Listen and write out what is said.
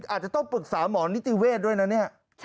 อาจจะต้องปรึกษาหมอนิติเวชด้วยนะ